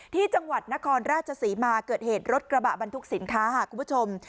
ที่จังหวัดนครราชศรีมาเกิดเหตุรถกระบะบรรทุกสินค้าค่ะคุณผู้ชม